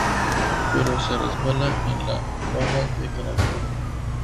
Pero se resbala en la baba de caracol.